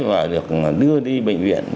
và được đưa đi bệnh viện